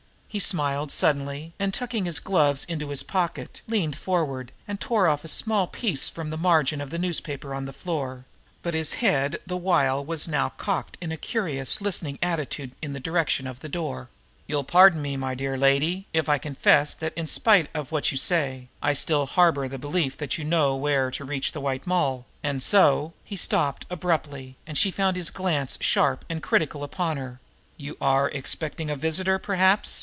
He smiled suddenly, and tucking his gloves into his pocket, leaned forward and tore off a small piece from the margin of the newspaper on the floor but his head the while was now cocked in a curious listening attitude in the direction of the door. "You will pardon me, my dear lady, if I confess that, in spite of what you say, I still harbor the belief that you know where to reach the White Moll; and so " He stopped abruptly, and she found his glance, sharp and critical, upon her. "You are expecting a visitor, perhaps?"